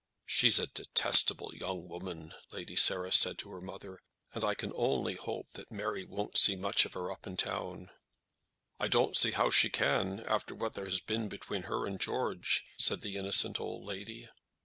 "She's a detestable young woman," Lady Sarah said to her mother, "and I can only hope that Mary won't see much of her up in town." "I don't see how she can, after what there has been between her and George," said the innocent old lady.